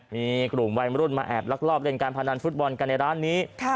มีกลุ่มวัยรุ่นมาแอบลักลอบเล่นการพนันฟุตบอลกันในร้านนี้